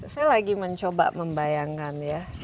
saya lagi mencoba membayangkan ya